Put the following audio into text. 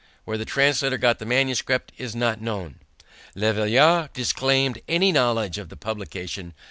Where the translator got the manuscript is not known. Le Veillard disclaimed any knowledge of the publication.